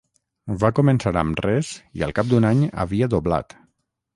Va començar amb res i al cap d'un any havia doblat.